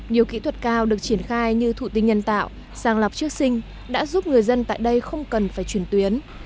nhiều kỹ thuật cao được triển khai như thụ tinh nhân tạo sàng lọc trước sinh đã giúp người dân tại đây không cần phải chuyển tuyến